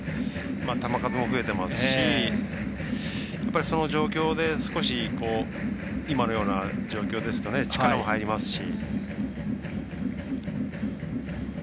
球数も増えていますしその状況で少し今のような状況ですと力も入りますし。